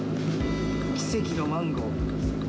奇跡のマンゴー。